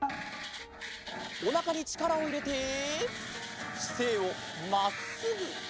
おなかにちからをいれてしせいをまっすぐ！